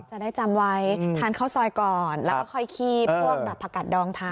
จะได้จำไว้ทานข้าวซอยก่อนแล้วก็ค่อยคีบพวกแบบผักกัดดองทาน